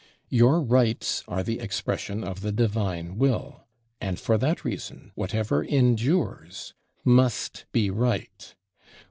Your rights are the expression of the divine will; and for that reason, whatever endures must be right.